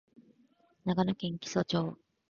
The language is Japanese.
長野県木曽町